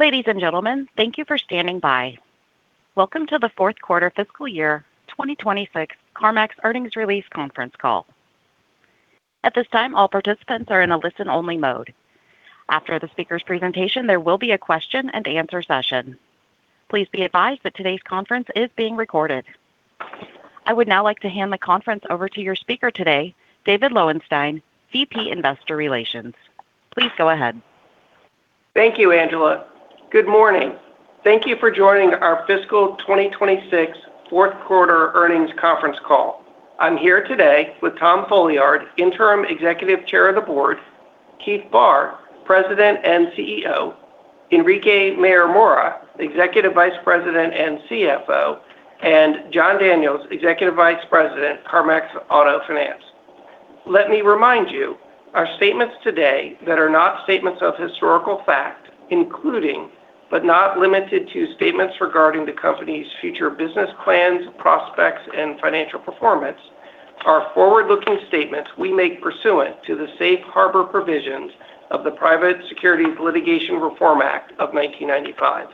Ladies and gentlemen, thank you for standing by. Welcome to the fourth quarter fiscal year 2026 CarMax earnings release conference call. At this time, all participants are in a listen-only mode. After the speaker's presentation, there will be a question-and-answer session. Please be advised that today's conference is being recorded. I would now like to hand the conference over to your speaker today, David Lowenstein, VP Investor Relations. Please go ahead. Thank you, Angela. Good morning. Thank you for joining our fiscal 2026 fourth quarter earnings conference call. I'm here today with Tom Folliard, Interim Executive Chair of the Board, Keith Barr, President and CEO, Enrique Mayor-Mora, Executive Vice President and CFO, and Jon Daniels, Executive Vice President, CarMax Auto Finance. Let me remind you, our statements today that are not statements of historical fact, including, but not limited to, statements regarding the company's future business plans, prospects, and financial performance, are forward-looking statements we make pursuant to the Safe Harbor provisions of the Private Securities Litigation Reform Act of 1995.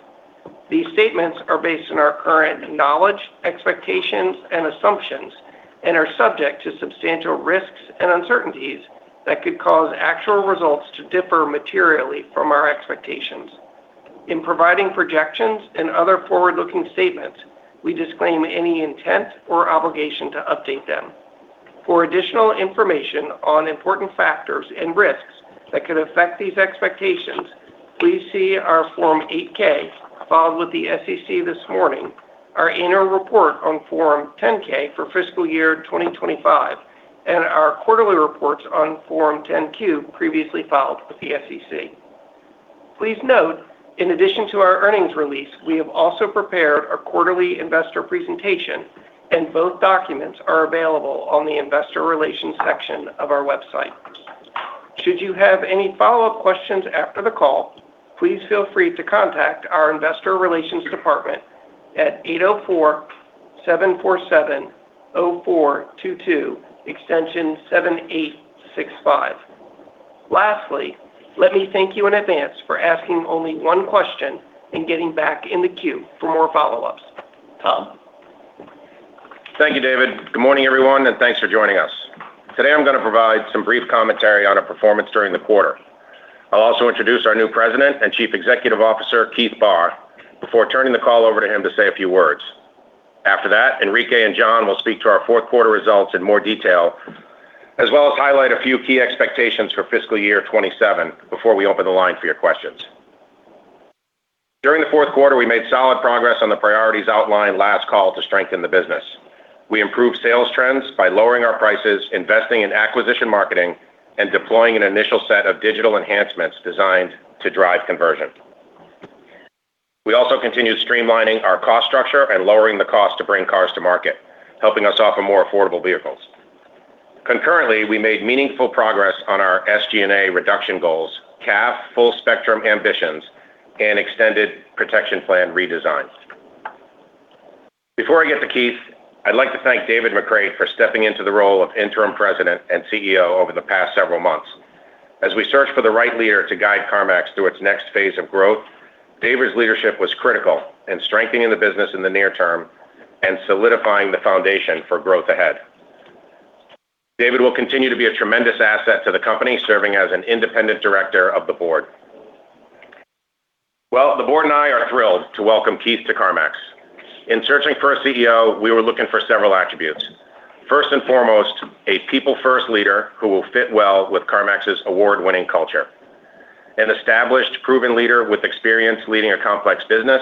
These statements are based on our current knowledge, expectations, and assumptions and are subject to substantial risks and uncertainties that could cause actual results to differ materially from our expectations. In providing projections and other forward-looking statements, we disclaim any intent or obligation to update them. For additional information on important factors and risks that could affect these expectations, please see our Form 8-K filed with the SEC this morning, our annual report on Form 10-K for fiscal year 2025, and our quarterly reports on Form 10-Q previously filed with the SEC. Please note, in addition to our earnings release, we have also prepared a quarterly investor presentation, and both documents are available on the Investor Relations section of our website. Should you have any follow-up questions after the call, please feel free to contact our Investor Relations department at 804-747-0422, extension 7865. Lastly, let me thank you in advance for asking only one question and getting back in the queue for more follow-ups. Tom? Thank you, David. Good morning, everyone, and thanks for joining us. Today, I'm going to provide some brief commentary on our performance during the quarter. I'll also introduce our new President and Chief Executive Officer, Keith Barr, before turning the call over to him to say a few words. After that, Enrique and Jon will speak to our fourth quarter results in more detail, as well as highlight a few key expectations for fiscal year 2027 before we open the line for your questions. During the fourth quarter, we made solid progress on the priorities outlined last call to strengthen the business. We improved sales trends by lowering our prices, investing in acquisition marketing, and deploying an initial set of digital enhancements designed to drive conversion. We also continued streamlining our cost structure and lowering the cost to bring cars to market, helping us offer more affordable vehicles. Concurrently, we made meaningful progress on our SG&A reduction goals, CAF full spectrum ambitions, and extended protection plan redesigns. Before I get to Keith, I'd like to thank David McCreight for stepping into the role of Interim President and CEO over the past several months. As we search for the right leader to guide CarMax through its next phase of growth, David's leadership was critical in strengthening the business in the near term and solidifying the foundation for growth ahead. David will continue to be a tremendous asset to the company, serving as an Independent Director of the Board. Well, the Board and I are thrilled to welcome Keith to CarMax. In searching for a CEO, we were looking for several attributes. First and foremost, a people-first leader who will fit well with CarMax's award-winning culture, an established proven leader with experience leading a complex business,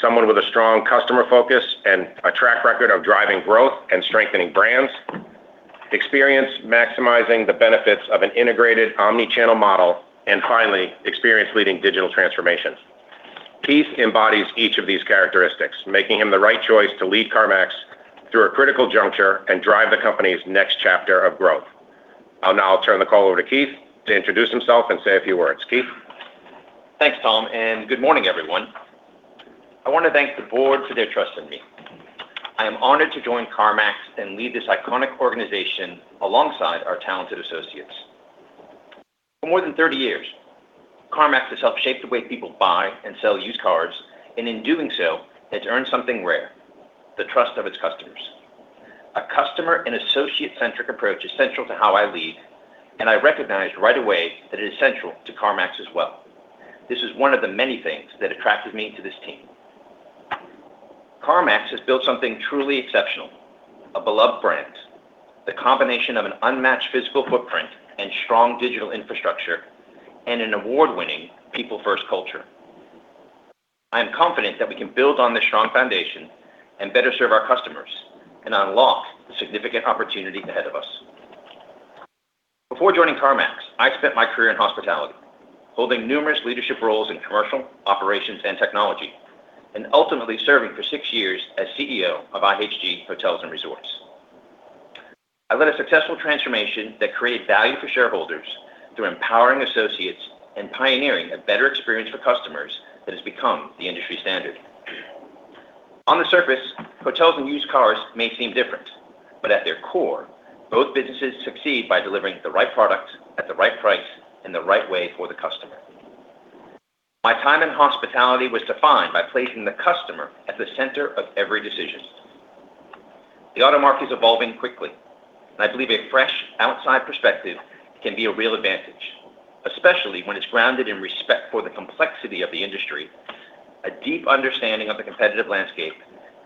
someone with a strong customer focus and a track record of driving growth and strengthening brands, experience maximizing the benefits of an integrated omnichannel model, and finally, experience leading digital transformations, Keith embodies each of these characteristics, making him the right choice to lead CarMax through a critical juncture and drive the company's next chapter of growth. I'll now turn the call over to Keith to introduce himself and say a few words. Keith? Thanks, Tom, and good morning, everyone. I want to thank the Board for their trust in me. I am honored to join CarMax and lead this iconic organization alongside our talented associates. For more than 30 years, CarMax has helped shape the way people buy and sell used cars, and in doing so, it's earned something rare, the trust of its customers. A customer and associate-centric approach is central to how I lead, and I recognized right away that it is central to CarMax as well. This is one of the many things that attracted me to this team. CarMax has built something truly exceptional, a beloved brand, the combination of an unmatched physical footprint and strong digital infrastructure, and an award-winning people-first culture. I am confident that we can build on this strong foundation and better serve our customers and unlock the significant opportunity ahead of us. Before joining CarMax, I spent my career in hospitality, holding numerous leadership roles in commercial, operations, and technology, and ultimately serving for six years as CEO of IHG Hotels & Resorts. I led a successful transformation that created value for shareholders through empowering associates and pioneering a better experience for customers that has become the industry standard. On the surface, hotels and used cars may seem different, but at their core, both businesses succeed by delivering the right product at the right price in the right way for the customer. My time in hospitality was defined by placing the customer at the center of every decision. The auto market is evolving quickly, and I believe a fresh outside perspective can be a real advantage, especially when it's grounded in respect for the complexity of the industry, a deep understanding of the competitive landscape,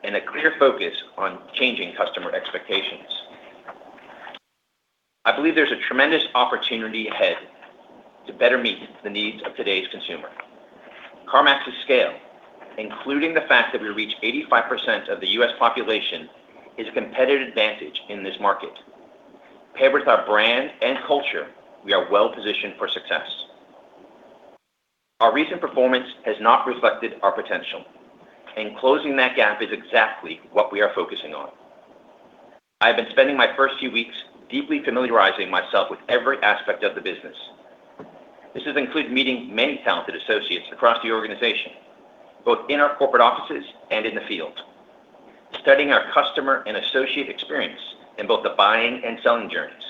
and a clear focus on changing customer expectations. I believe there's a tremendous opportunity ahead to better meet the needs of today's consumer. CarMax's scale, including the fact that we reach 85% of the U.S. population, is a competitive advantage in this market. Paired with our brand and culture, we are well-positioned for success. Our recent performance has not reflected our potential, and closing that gap is exactly what we are focusing on. I have been spending my first few weeks deeply familiarizing myself with every aspect of the business. This has included meeting many talented associates across the organization, both in our corporate offices and in the field, studying our customer and associate experience in both the buying and selling journeys,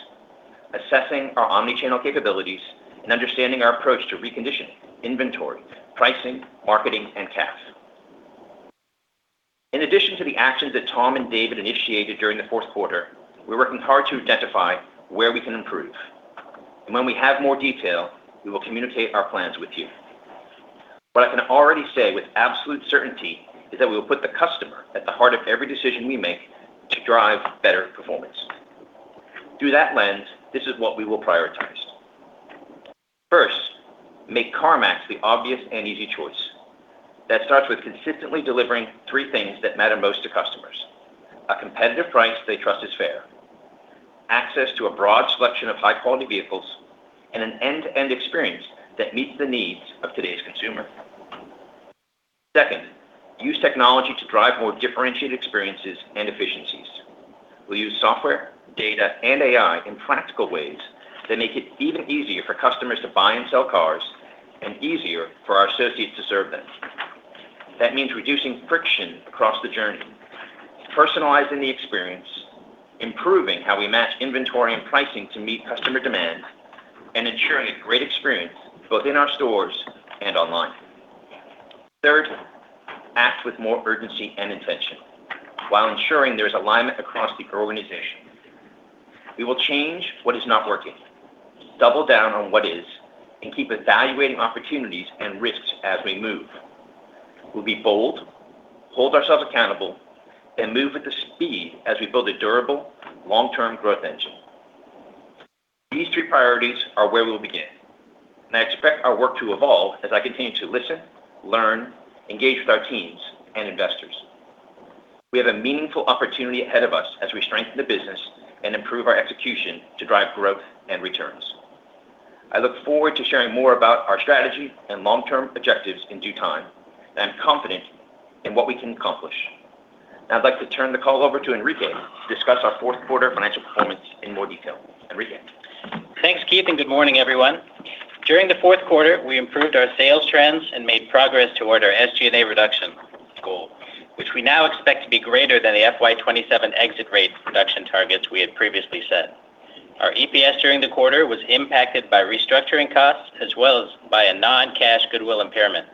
assessing our omnichannel capabilities, and understanding our approach to reconditioning, inventory, pricing, marketing, and cash. In addition to the actions that Tom and David initiated during the fourth quarter, we're working hard to identify where we can improve. When we have more detail, we will communicate our plans with you. What I can already say with absolute certainty is that we will put the customer at the heart of every decision we make to drive better performance. Through that lens, this is what we will prioritize. First, make CarMax the obvious and easy choice. That starts with consistently delivering three things that matter most to customers, a competitive price they trust is fair, access to a broad selection of high-quality vehicles, and an end-to-end experience that meets the needs of today's consumer. Second, use technology to drive more differentiated experiences and efficiencies. We'll use software, data, and AI in practical ways that make it even easier for customers to buy and sell cars and easier for our associates to serve them. That means reducing friction across the journey, personalizing the experience, improving how we match inventory and pricing to meet customer demand, and ensuring a great experience both in our stores and online. Third, act with more urgency and intention while ensuring there's alignment across the organization. We will change what is not working, double down on what is, and keep evaluating opportunities and risks as we move. We'll be bold, hold ourselves accountable, and move with the speed as we build a durable, long-term growth engine. These three priorities are where we'll begin, and I expect our work to evolve as I continue to listen, learn, engage with our teams and investors. We have a meaningful opportunity ahead of us as we strengthen the business and improve our execution to drive growth and returns. I look forward to sharing more about our strategy and long-term objectives in due time, and I'm confident in what we can accomplish. Now I'd like to turn the call over to Enrique to discuss our fourth quarter financial performance in more detail. Enrique? Thanks, Keith, and good morning, everyone. During the fourth quarter, we improved our sales trends and made progress toward our SG&A reduction goal, which we now expect to be greater than the FY 2027 exit rate reduction targets we had previously set. Our EPS during the quarter was impacted by restructuring costs as well as by a non-cash goodwill impairment,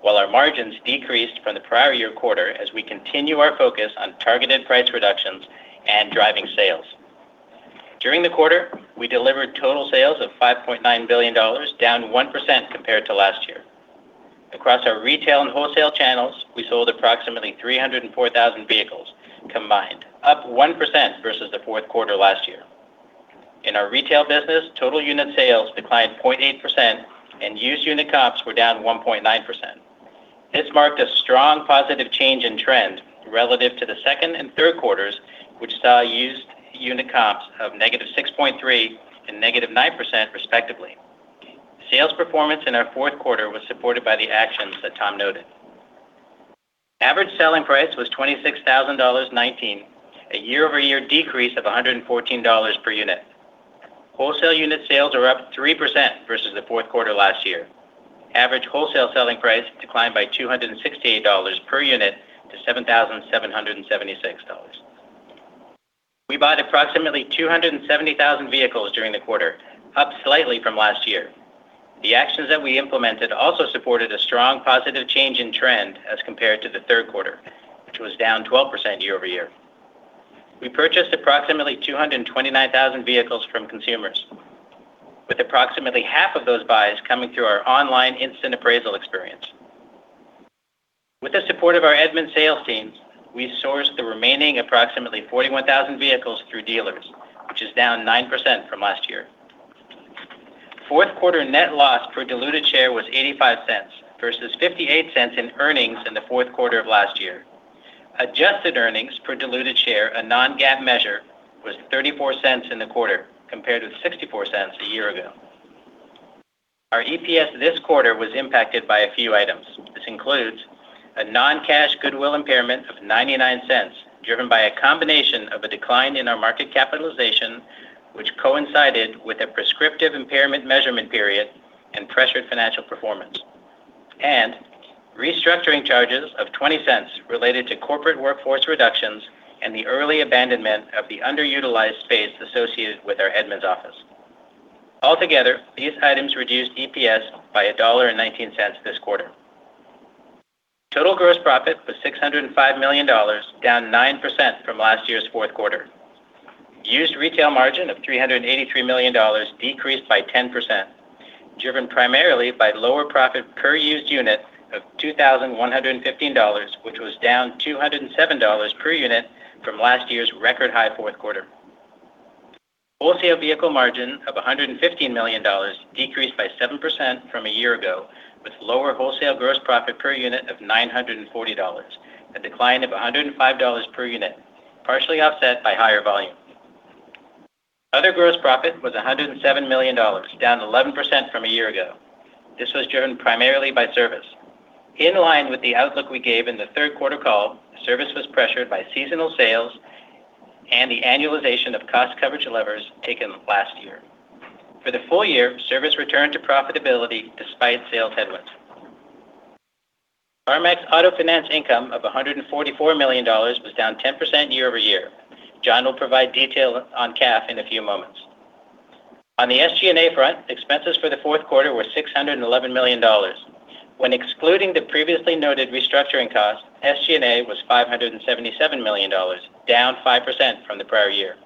while our margins decreased from the prior year quarter as we continue our focus on targeted price reductions and driving sales. During the quarter, we delivered total sales of $5.9 billion, down 1% compared to last year. Across our retail and wholesale channels, we sold approximately 304,000 vehicles combined, up 1% versus the fourth quarter last year. In our retail business, total unit sales declined 0.8% and used unit comps were down 1.9%. This marked a strong positive change in trend relative to the second and third quarters, which saw used unit comps of -6.3% and -9% respectively. Sales performance in our fourth quarter was supported by the actions that Tom noted. Average selling price was $26,019, a year-over-year decrease of $114 per unit. Wholesale unit sales are up 3% versus the fourth quarter last year. Average wholesale selling price declined by $268 per unit to $7,776. We bought approximately 270,000 vehicles during the quarter, up slightly from last year. The actions that we implemented also supported a strong positive change in trend as compared to the third quarter, which was down 12% year-over-year. We purchased approximately 229,000 vehicles from consumers, with approximately half of those buys coming through our online instant appraisal experience. With the support of our Edmunds sales teams, we sourced the remaining approximately 41,000 vehicles through dealers, which is down 9% from last year. Fourth quarter net loss per diluted share was $0.85 versus $0.58 in earnings in the fourth quarter of last year. Adjusted earnings per diluted share, a non-GAAP measure, was $0.34 in the quarter, compared with $0.64 a year ago. Our EPS this quarter was impacted by a few items. This includes a non-cash goodwill impairment of $0.99, driven by a decline in our market capitalization, which coincided with a prescriptive impairment measurement period and pressured financial performance. Restructuring charges of $0.20 related to corporate workforce reductions and the early abandonment of the underutilized space associated with our Edmunds office. Altogether, these items reduced EPS by $1.19 this quarter. Total gross profit was $605 million, down 9% from last year's fourth quarter. Used retail margin of $383 million decreased by 10%, driven primarily by lower profit per used unit of $2,115, which was down $207 per unit from last year's record high fourth quarter. Wholesale vehicle margin of $115 million decreased by 7% from a year ago, with lower wholesale gross profit per unit of $940, a decline of $105 per unit, partially offset by higher volume. Other gross profit was $107 million, down 11% from a year ago. This was driven primarily by service. In line with the outlook we gave in the third quarter call, service was pressured by seasonal sales and the annualization of cost coverage levers taken last year. For the full year, service returned to profitability despite sales headwinds. CarMax Auto Finance income of $144 million was down 10% year-over-year. Jon will provide detail on CAF in a few moments. On the SG&A front, expenses for the fourth quarter were $611 million. When excluding the previously noted restructuring costs, SG&A was $577 million, down 5% from the prior year.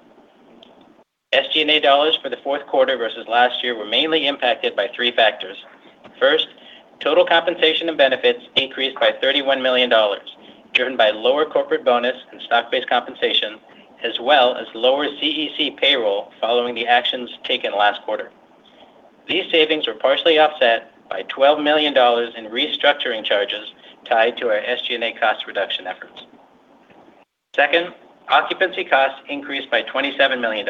SG&A dollars for the fourth quarter versus last year were mainly impacted by three factors. First, total compensation and benefits increased by $31 million, driven by lower corporate bonus and stock-based compensation, as well as lower CEC payroll following the actions taken last quarter. These savings were partially offset by $12 million in restructuring charges tied to our SG&A cost reduction efforts. Second, occupancy costs increased by $27 million,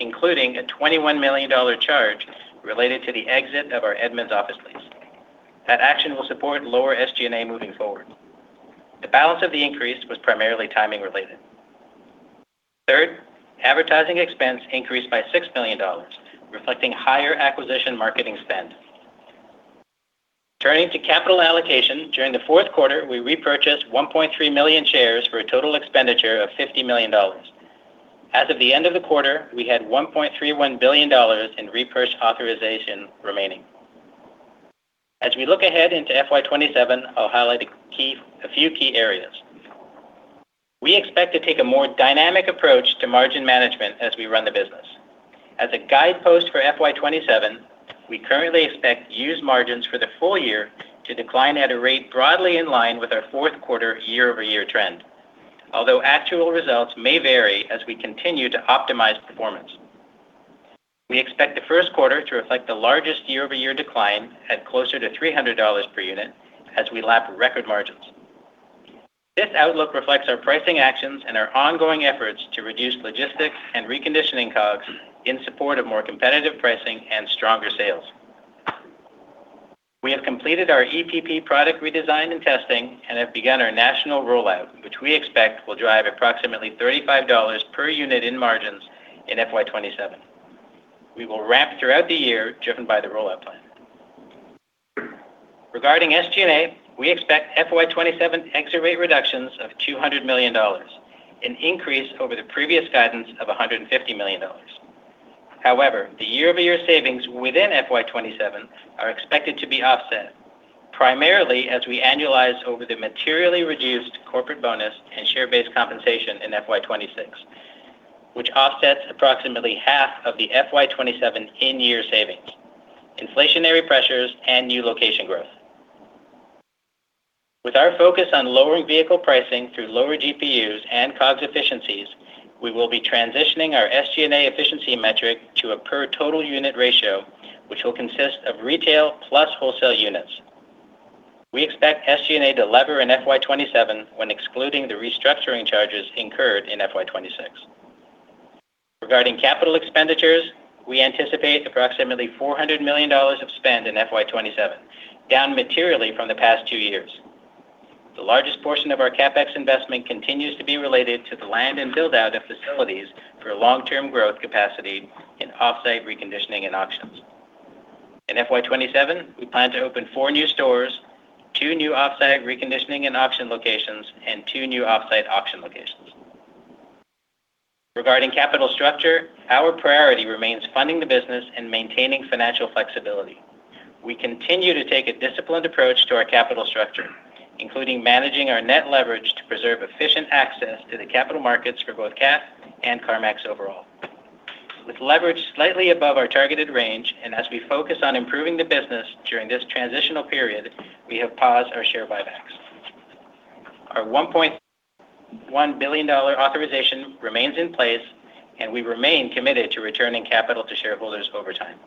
including a $21 million charge related to the exit of our Edmunds office lease. That action will support lower SG&A moving forward. The balance of the increase was primarily timing-related. Third, advertising expense increased by $6 million, reflecting higher acquisition marketing spend. Turning to capital allocation, during the fourth quarter, we repurchased 1.3 million shares for a total expenditure of $50 million. As of the end of the quarter, we had $1.31 billion in repurchase authorization remaining. As we look ahead into FY 2027, I'll highlight a few key areas. We expect to take a more dynamic approach to margin management as we run the business. As a guidepost for FY 2027, we currently expect used margins for the full year to decline at a rate broadly in line with our fourth quarter year-over-year trend, although actual results may vary as we continue to optimize performance. We expect the first quarter to reflect the largest year-over-year decline at closer to $300 per unit as we lap record margins. This outlook reflects our pricing actions and our ongoing efforts to reduce logistics and reconditioning COGS in support of more competitive pricing and stronger sales. We have completed our EPP product redesign and testing and have begun our national rollout, which we expect will drive approximately $35 per unit in margins in FY 2027. We will ramp throughout the year, driven by the rollout plan. Regarding SG&A, we expect FY 2027 exit rate reductions of $200 million, an increase over the previous guidance of $150 million. However, the year-over-year savings within FY 2027 are expected to be offset, primarily as we annualize over the materially reduced corporate bonus and share-based compensation in FY 2026, which offsets approximately half of the FY 2027 in-year savings, inflationary pressures and new location growth. With our focus on lowering vehicle pricing through lower GPUs and COGS efficiencies, we will be transitioning our SG&A efficiency metric to a per total unit ratio, which will consist of retail plus wholesale units. We expect SG&A to lever in FY 2027 when excluding the restructuring charges incurred in FY 2026. Regarding capital expenditures, we anticipate approximately $400 million of spend in FY 2027, down materially from the past two years. The largest portion of our CapEx investment continues to be related to the land and build-out of facilities for long-term growth capacity in off-site reconditioning and auctions. In FY 2027, we plan to open four new stores, two new off-site reconditioning and auction locations, and two new off-site auction locations. Regarding capital structure, our priority remains funding the business and maintaining financial flexibility. We continue to take a disciplined approach to our capital structure, including managing our net leverage to preserve efficient access to the capital markets for both CAF and CarMax overall. With leverage slightly above our targeted range, and as we focus on improving the business during this transitional period, we have paused our share buybacks. Our $1.1 billion authorization remains in place, and we remain committed to returning capital to shareholders over time.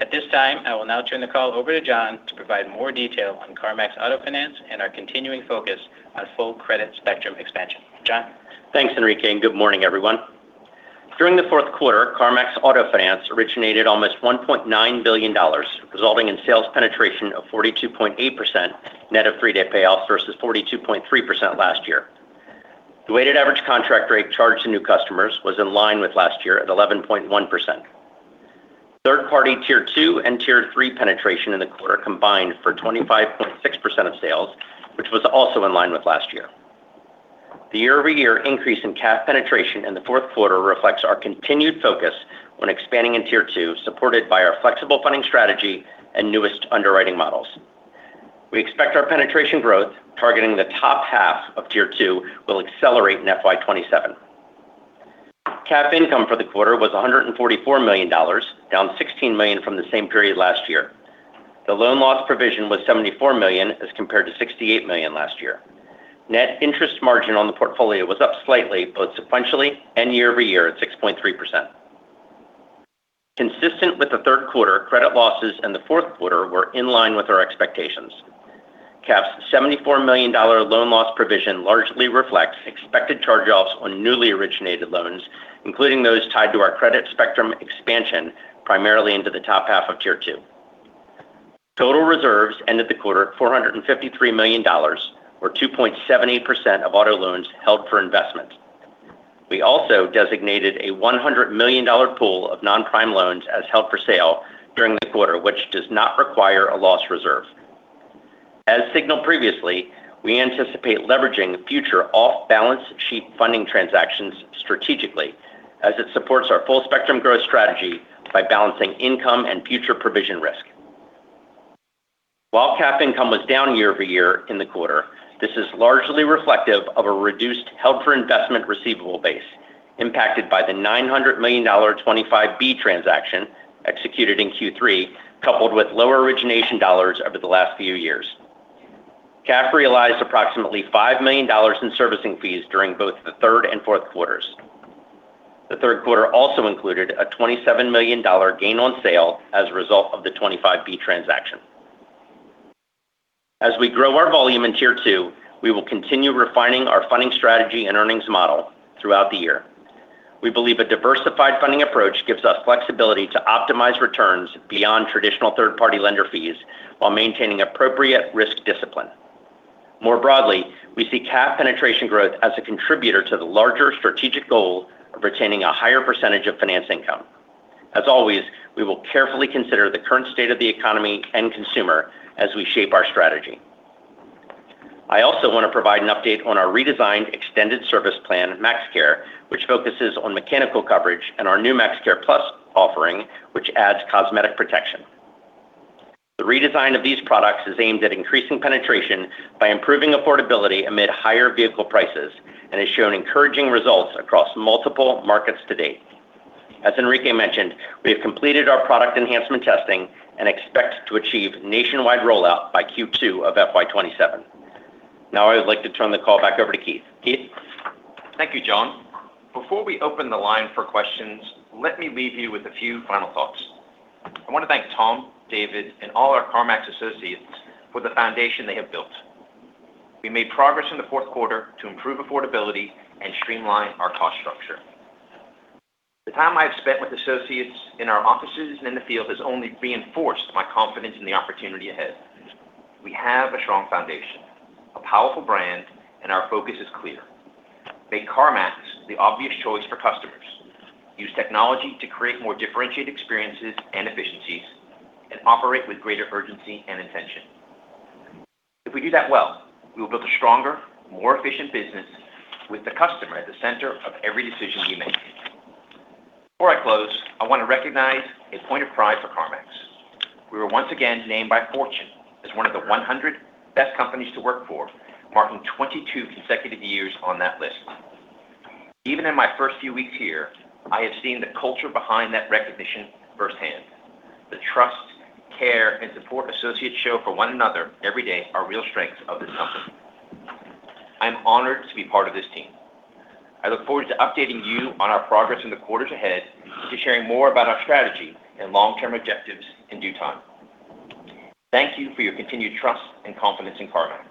At this time, I will now turn the call over to Jon to provide more detail on CarMax Auto Finance and our continuing focus on full credit spectrum expansion. Jon? Thanks, Enrique, and good morning, everyone. During the fourth quarter, CarMax Auto Finance originated almost $1.9 billion, resulting in sales penetration of 42.8% net of three-day payoffs versus 42.3% last year. The weighted average contract rate charged to new customers was in line with last year at 11.1%. Third-party Tier 2 and Tier 3 penetration in the quarter combined for 25.6% of sales, which was also in line with last year. The year-over-year increase in CAF penetration in the fourth quarter reflects our continued focus on expanding in Tier 2, supported by our flexible funding strategy and newest underwriting models. We expect our penetration growth targeting the top half of Tier 2 will accelerate in FY 2027. CAF income for the quarter was $144 million, down $16 million from the same period last year. The loan loss provision was $74 million as compared to $68 million last year. Net interest margin on the portfolio was up slightly, both sequentially and year-over-year at 6.3%. Consistent with the third quarter, credit losses in the fourth quarter were in line with our expectations. CAF's $74 million loan loss provision largely reflects expected charge-offs on newly originated loans, including those tied to our credit spectrum expansion, primarily into the top half of Tier 2. Total reserves ended the quarter at $453 million, or 2.78% of auto loans held for investment. We also designated a $100 million pool of non-prime loans as held for sale during the quarter, which does not require a loss reserve. As signaled previously, we anticipate leveraging future off-balance sheet funding transactions strategically as it supports our full spectrum growth strategy by balancing income and future provision risk. While CAF income was down year-over-year in the quarter, this is largely reflective of a reduced held for investment receivable base impacted by the $900 million 25B transaction executed in Q3, coupled with lower origination dollars over the last few years. CAF realized approximately $5 million in servicing fees during both the third and fourth quarters. The third quarter also included a $27 million gain on sale as a result of the 25B transaction. As we grow our volume in Tier 2, we will continue refining our funding strategy and earnings model throughout the year. We believe a diversified funding approach gives us flexibility to optimize returns beyond traditional third-party lender fees while maintaining appropriate risk discipline. More broadly, we see CAF penetration growth as a contributor to the larger strategic goal of retaining a higher percentage of finance income. As always, we will carefully consider the current state of the economy and consumer as we shape our strategy. I also want to provide an update on our redesigned extended service plan, MaxCare, which focuses on mechanical coverage and our new MaxCare Plus offering, which adds cosmetic protection. The redesign of these products is aimed at increasing penetration by improving affordability amid higher vehicle prices and has shown encouraging results across multiple markets to date. As Enrique mentioned, we have completed our product enhancement testing and expect to achieve nationwide rollout by Q2 of FY 2027. Now, I would like to turn the call back over to Keith. Keith? Thank you, Jon. Before we open the line for questions, let me leave you with a few final thoughts. I want to thank Tom, David, and all our CarMax associates for the foundation they have built. We made progress in the fourth quarter to improve affordability and streamline our cost structure. The time I've spent with associates in our offices and in the field has only reinforced my confidence in the opportunity ahead. We have a strong foundation, a powerful brand, and our focus is clear. Make CarMax the obvious choice for customers, use technology to create more differentiated experiences and efficiencies, and operate with greater urgency and intention. If we do that well, we will build a stronger, more efficient business with the customer at the center of every decision we make. Before I close, I want to recognize a point of pride for CarMax. We were once again named by Fortune as one of the 100 Best Companies to Work For, marking 22 consecutive years on that list. Even in my first few weeks here, I have seen the culture behind that recognition firsthand. The trust, care, and support associates show for one another every day are real strengths of this company. I'm honored to be part of this team. I look forward to updating you on our progress in the quarters ahead and to sharing more about our strategy and long-term objectives in due time. Thank you for your continued trust and confidence in CarMax.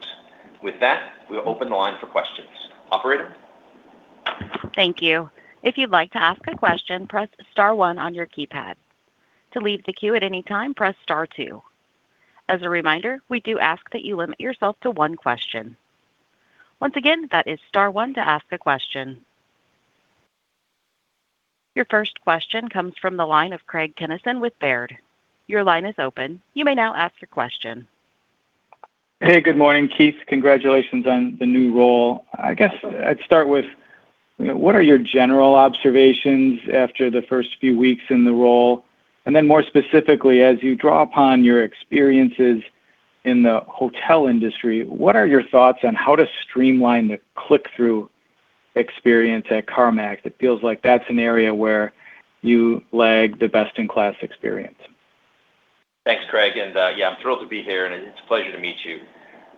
With that, we'll open the line for questions. Operator? Thank you. If you'd like to ask a question, press star one on your keypad. To leave the queue at any time, press star two. As a reminder, we do ask that you limit yourself to one question. Once again, that is star one to ask a question. Your first question comes from the line of Craig Kennison with Baird. Your line is open. You may now ask your question. Hey, good morning, Keith. Congratulations on the new role. I guess I'd start with, what are your general observations after the first few weeks in the role? More specifically, as you draw upon your experiences in the hotel industry, what are your thoughts on how to streamline the click-through experience at CarMax? It feels like that's an area where you lag the best-in-class experience. Thanks, Craig, and yeah, I'm thrilled to be here, and it's a pleasure to meet you.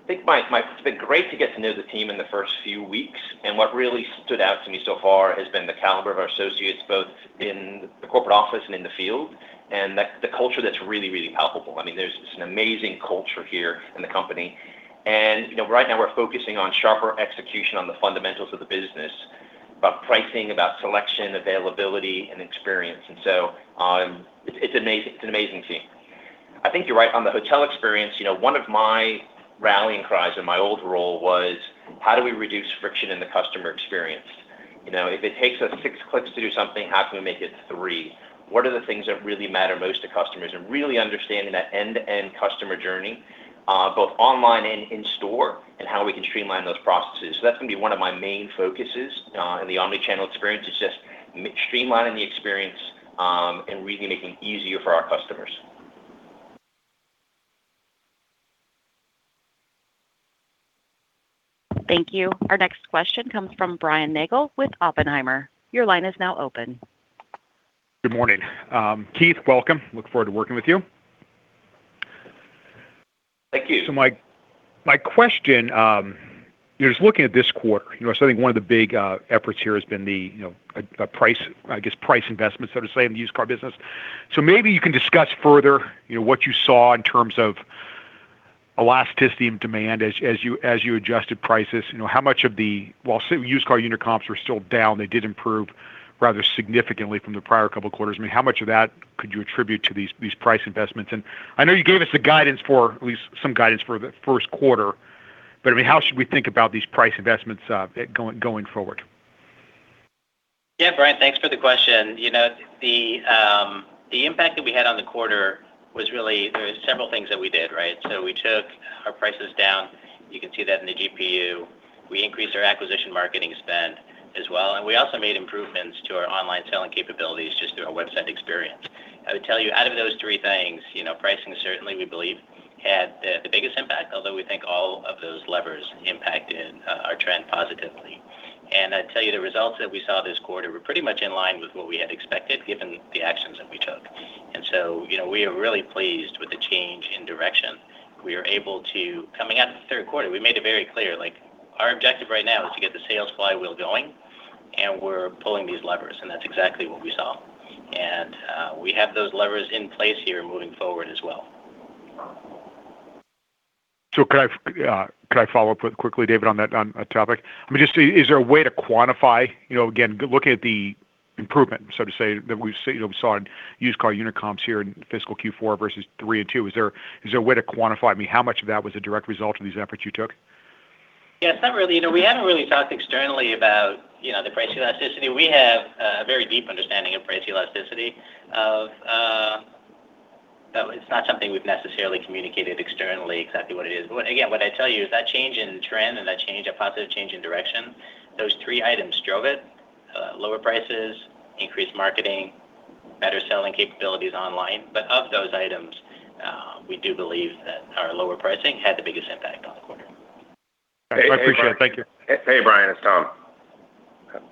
I think it's been great to get to know the team in the first few weeks, and what really stood out to me so far has been the caliber of our associates, both in the corporate office and in the field, and the culture that's really palpable. There's an amazing culture here in the company. Right now we're focusing on sharper execution on the fundamentals of the business, about pricing, about selection, availability, and experience. It's an amazing team. I think you're right on the hotel experience. One of my rallying cries in my old role was how do we reduce friction in the customer experience? If it takes us six clicks to do something, how can we make it three? What are the things that really matter most to customers? Really understanding that end-to-end customer journey, both online and in store, and how we can streamline those processes. That's going to be one of my main focuses in the omnichannel experience is just streamlining the experience, and really making it easier for our customers. Thank you. Our next question comes from Brian Nagel with Oppenheimer. Your line is now open. Good morning. Keith, welcome. Look forward to working with you. Thank you. My question, just looking at this quarter, I think one of the big efforts here has been the price investment, so to say, in the used car business. Maybe you can discuss further what you saw in terms of elasticity and demand as you adjusted prices. While used car unit comps were still down, they did improve rather significantly from the prior couple of quarters. How much of that could you attribute to these price investments? I know you gave us at least some guidance for the first quarter, but how should we think about these price investments going forward? Yeah, Brian, thanks for the question. The impact that we had on the quarter was really, there were several things that we did, right? We took our prices down. You can see that in the GPU. We increased our acquisition marketing spend as well, and we also made improvements to our online selling capabilities just through our website experience. I would tell you, out of those three things, pricing certainly we believe had the biggest impact, although we think all of those levers impacted our trend positively. I'd tell you the results that we saw this quarter were pretty much in line with what we had expected, given the actions that we took. We are really pleased with the change in direction. Coming out of the third quarter, we made it very clear, our objective right now is to get the sales flywheel going, and we're pulling these levers, and that's exactly what we saw. We have those levers in place here moving forward as well. Could I follow up quickly, David, on that topic? Is there a way to quantify, again, looking at the improvement, so to say, that we saw in used car unit comps here in fiscal Q4 versus three and two? Is there a way to quantify how much of that was a direct result of these efforts you took? Yeah. Not really. We haven't really talked externally about the price elasticity. We have a very deep understanding of price elasticity. It's not something we've necessarily communicated externally exactly what it is. Again, what I'd tell you is that change in trend and that positive change in direction, those three items drove it, lower prices, increased marketing, better selling capabilities online. Of those items, we do believe that our lower pricing had the biggest impact on the quarter. I appreciate it. Thank you. Hey, Brian, it's Tom.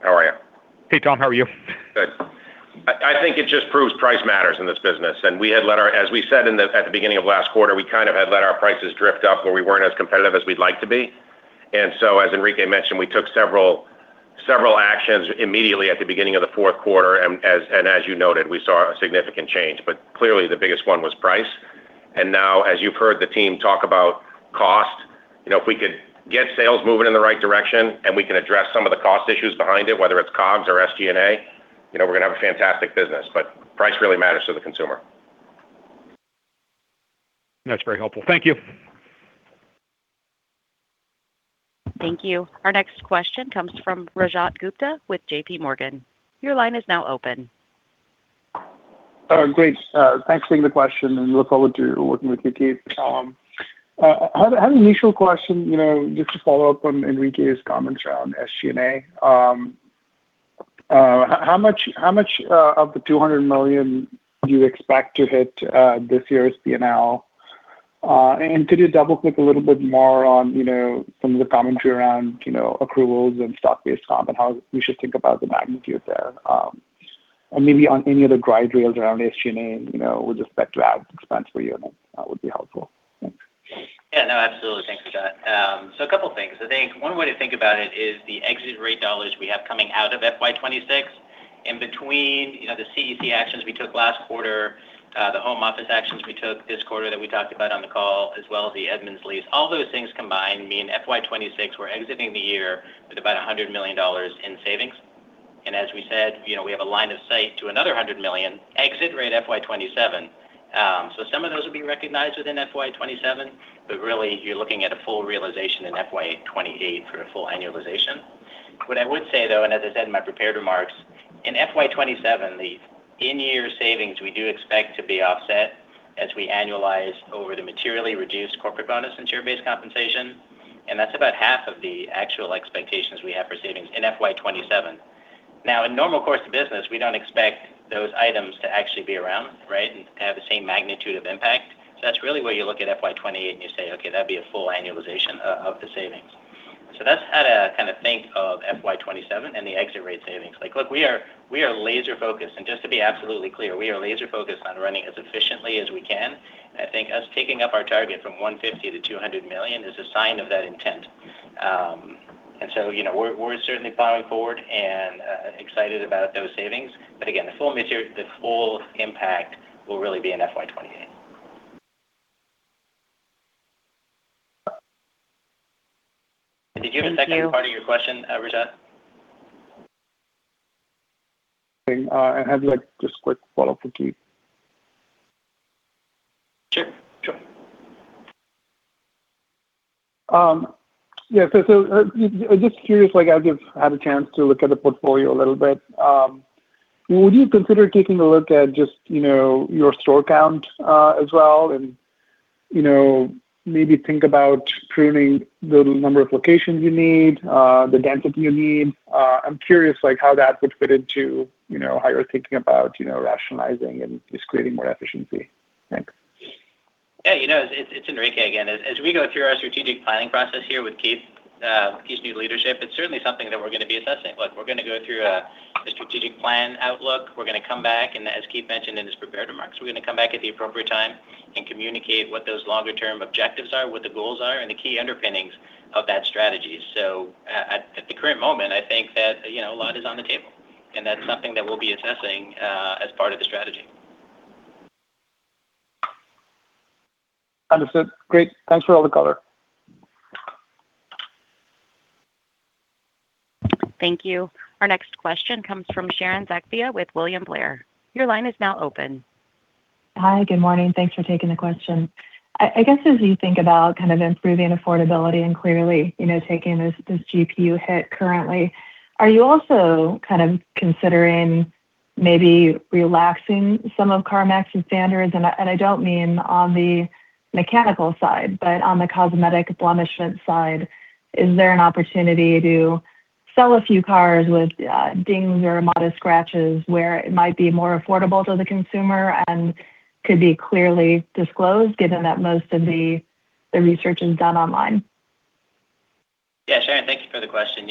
How are you? Hey, Tom. How are you? Good. I think it just proves price matters in this business. As we said at the beginning of last quarter, we kind of had let our prices drift up where we weren't as competitive as we'd like to be. As Enrique mentioned, we took several actions immediately at the beginning of the fourth quarter, and as you noted, we saw a significant change. Clearly the biggest one was price. Now as you've heard the team talk about cost, if we could get sales moving in the right direction and we can address some of the cost issues behind it, whether it's COGS or SG&A, we're going to have a fantastic business. Price really matters to the consumer. That's very helpful. Thank you. Thank you. Our next question comes from Rajat Gupta with JPMorgan. Your line is now open. Great. Thanks for taking the question, and look forward to working with you, Keith. I have an initial question, just to follow up on Enrique's comments around SG&A. How much of the $200 million do you expect to hit this year's P&L? And could you double-click a little bit more on some of the commentary around, accruals and stock-based comp and how we should think about the magnitude there? And maybe on any of the guide rails around SG&A, with respect to ad expense for you, that would be helpful. Thanks. Yeah, no, absolutely. Thanks, Rajat. A couple things, I think one way to think about it is the exit rate dollars we have coming out of FY 2026. In between, the CEC actions we took last quarter, the home office actions we took this quarter that we talked about on the call, as well as the Edmunds lease, all those things combined mean FY 2026, we're exiting the year with about $100 million in savings. As we said, we have a line of sight to another $100 million exit rate FY 2027. Some of those will be recognized within FY 2027, but really you're looking at a full realization in FY 2028 for the full annualization. What I would say, though, and as I said in my prepared remarks, in FY 2027, the in-year savings we do expect to be offset as we annualize over the materially reduced corporate bonus and share-based compensation. That's about half of the actual expectations we have for savings in FY 2027. Now, in normal course of business, we don't expect those items to actually be around, right, and have the same magnitude of impact. That's really where you look at FY 2028 and you say, Okay, that'd be a full annualization of the savings. That's how to kind of think of FY 2027 and the exit rate savings. Look, we are laser focused. Just to be absolutely clear, we are laser focused on running as efficiently as we can. I think us taking up our target from $150 million-$200 million is a sign of that intent. We're certainly plowing forward and excited about those savings. Again, the full impact will really be in FY 2028. Did you have a second part of your question, Rajat? I have just a quick follow-up for Keith. Sure. Go ahead. Yeah. Just curious, I've had a chance to look at the portfolio a little bit. Would you consider taking a look at just your store count as well, and maybe think about pruning the number of locations you need, the density you need? I'm curious how that would fit into how you're thinking about rationalizing and just creating more efficiency. Thanks. Yeah, it's Enrique again. As we go through our strategic planning process here with Keith's new leadership, it's certainly something that we're going to be assessing. We're going to go through a strategic plan outlook. We're going to come back, and as Keith mentioned in his prepared remarks, we're going to come back at the appropriate time and communicate what those longer-term objectives are, what the goals are, and the key underpinnings of that strategy. At the current moment, I think that a lot is on the table, and that's something that we'll be assessing as part of the strategy. Understood. Great. Thanks for all the color. Thank you. Our next question comes from Sharon Zackfia with William Blair. Your line is now open. Hi. Good morning. Thanks for taking the question. I guess as you think about improving affordability and clearly taking this GPU hit currently, are you also considering maybe relaxing some of CarMax's standards? I don't mean on the mechanical side, but on the cosmetic blemishment side. Is there an opportunity to sell a few cars with dings or modest scratches where it might be more affordable to the consumer and could be clearly disclosed, given that most of the research is done online? Yeah, Sharon, thank you for the question.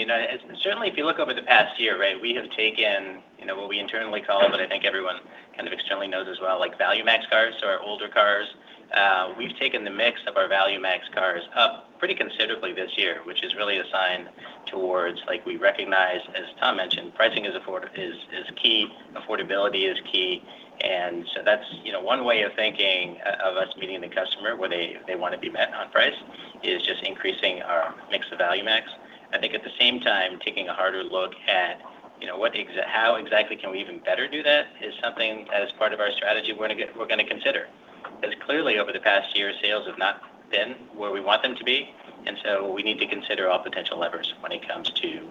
Certainly, if you look over the past year, we have taken what we internally call, but I think everyone kind of externally knows as well, ValueMax cars. Our older cars, we've taken the mix of our ValueMax cars up pretty considerably this year, which is really a sign towards we recognize, as Tom mentioned, pricing is key, affordability is key. That's one way of thinking of us meeting the customer where they want to be met on price, is just increasing our mix of ValueMax. I think at the same time, taking a harder look at how exactly can we even better do that is something that as part of our strategy we're going to consider, because clearly over the past year, sales have not been where we want them to be. We need to consider all potential levers when it comes to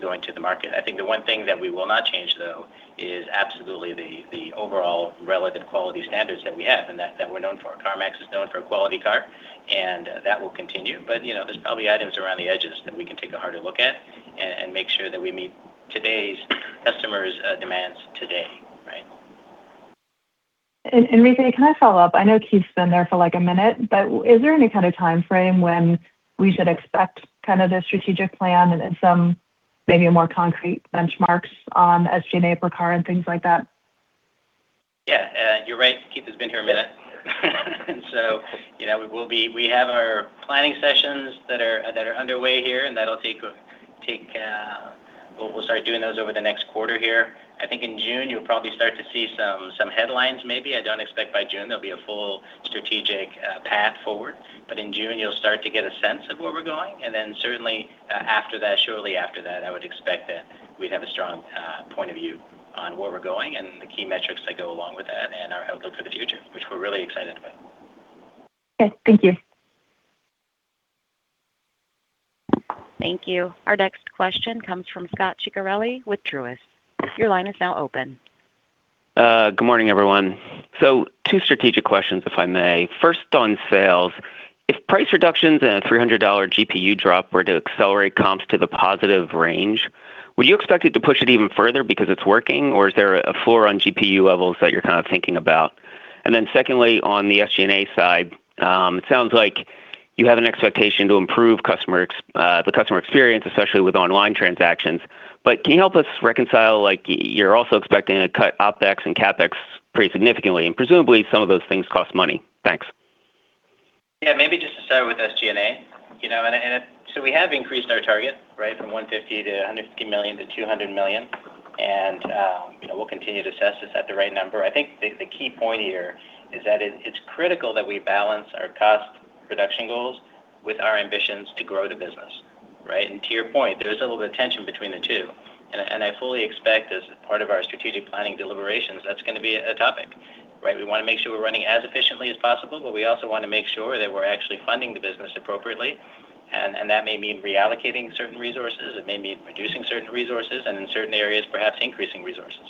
going to the market. I think the one thing that we will not change, though, is absolutely the overall relative quality standards that we have and that we're known for. CarMax is known for a quality car, and that will continue. There's probably items around the edges that we can take a harder look at and make sure that we meet today's customer's demands today. Enrique, can I follow up? I know Keith's been there for a minute, but is there any kind of time frame when we should expect the strategic plan and some maybe more concrete benchmarks on SG&A per car and things like that? Yeah. You're right, Keith has been here a minute. We have our planning sessions that are underway here, and we'll start doing those over the next quarter here. I think in June you'll probably start to see some headlines maybe. I don't expect by June there'll be a full strategic path forward. In June you'll start to get a sense of where we're going. Certainly after that, shortly after that, I would expect that we'd have a strong point of view on where we're going and the key metrics that go along with that and our outlook for the future, which we're really excited about. Okay. Thank you. Thank you. Our next question comes from Scot Ciccarelli with Truist. Your line is now open. Good morning, everyone. Two strategic questions, if I may. First, on sales, if price reductions and a $300 GPU drop were to accelerate comps to the positive range, would you expect it to push it even further because it's working, or is there a floor on GPU levels that you're kind of thinking about? Secondly, on the SG&A side, it sounds like you have an expectation to improve the customer experience, especially with online transactions. Can you help us reconcile, you're also expecting to cut OpEx and CapEx pretty significantly, and presumably some of those things cost money? Thanks. Yeah, maybe just to start with SG&A. We have increased our target from $150 million-$200 million, and we'll continue to assess, is that the right number? I think the key point here is that it's critical that we balance our cost reduction goals with our ambitions to grow the business, right? To your point, there is a little bit of tension between the two, and I fully expect as part of our strategic planning deliberations, that's going to be a topic. We want to make sure we're running as efficiently as possible, but we also want to make sure that we're actually funding the business appropriately. That may mean reallocating certain resources, it may mean reducing certain resources, and in certain areas perhaps increasing resources.